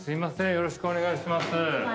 よろしくお願いします。